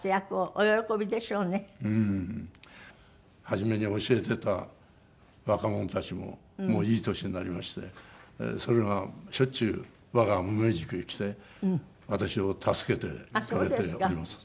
初めに教えてた若者たちももういい年になりましてそれがしょっちゅう我が無名塾へ来て私を助けてくれております。